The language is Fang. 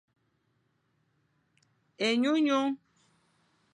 Enyunyung.